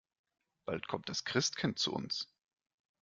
Bald kommt das Christkind zu uns.